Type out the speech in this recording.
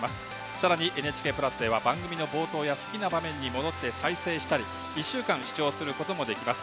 さらに、「ＮＨＫプラス」では番組の冒頭や好きな場面に戻って再生したり１週間、視聴することもできます。